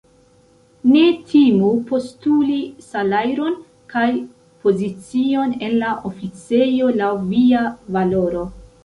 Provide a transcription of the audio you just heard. Ne timu postuli salajron kaj pozicion en la oficejo laŭ via valoro.